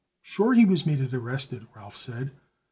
"Sure he was made it arrested," Ralph said.